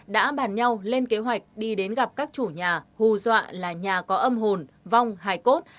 đã bàn nhau lên kế hoạch đi đến gặp các chủ nhà hù dọa là nhà có âm hồn vong hài cốt